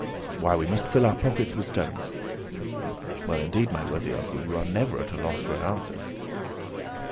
"Why, we must fill our pockets with stones." "Well, indeed, my worthy uncle, you are never at a loss for an answer."